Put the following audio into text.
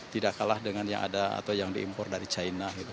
tidak kalah dengan yang ada atau yang diimpor dari china gitu